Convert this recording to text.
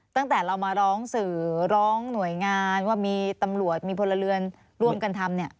ตั้งแต่เรามาร้องสื่อร้องหน่วยงานว่ามีตำรวจมีพลเรือนร่วมกันทำเนี่ย